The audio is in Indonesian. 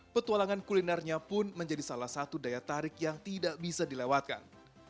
petualangan kulinernya pun menjadi salah satu daya tarik yang tidak bisa dilewatkan